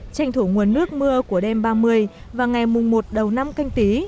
tranh thủ nguồn nước mưa của đêm ba mươi và ngày mùng một đầu năm canh tí